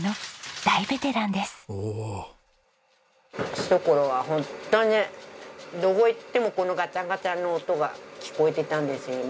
ひと頃はホントにどこ行ってもこのガチャガチャの音が聞こえてたんですよね。